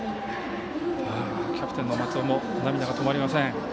キャプテンの松尾も涙が止まりません。